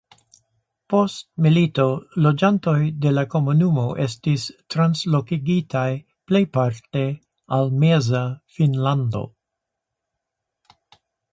Post milito loĝantoj de la komunumo estis translokigitaj plejparte al Meza Finnlando.